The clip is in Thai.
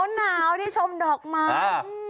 หนาวชมดอกไม้